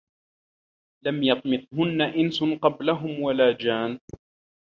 لَم يَطمِثهُنَّ إِنسٌ قَبلَهُم وَلا جانٌّ